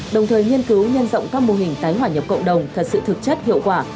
đồng thời nghiên cứu nhân rộng các mô hình tái hỏa nhập cộng đồng thật sự thực chất hiệu quả